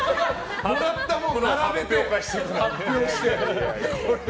もらったもの並べて発表会して。